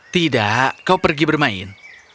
tidak kau pergi bermain